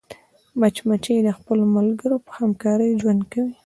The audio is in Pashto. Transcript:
مچمچۍ د خپلو ملګرو په همکارۍ ژوند کوي